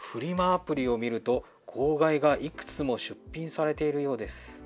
アプリを見ると号外がいくつも出品されているようです。